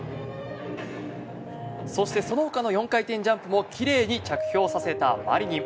そしてその他の４回転ジャンプも綺麗に着氷させたマリニン。